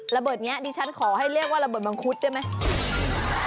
ระเบิดนี้ดิฉันขอให้เรียกว่าระเบิดมังคุดได้ไหม